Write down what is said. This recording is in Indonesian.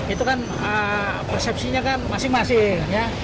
itu kan persepsinya kan masing masing ya